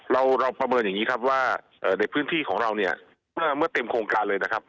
เราเราประเมินอย่างนี้ครับว่าในพื้นที่ของเราเนี่ยเมื่อเต็มโครงการเลยนะครับ